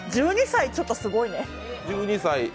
１２歳、ちょっとすごいね。